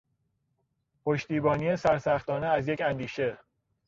پشتیبانی سرسختانه از یک اندیشه